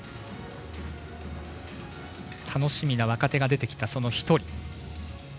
楽しみな若手が出てきたその１人。